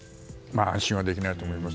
安心はできないと思います。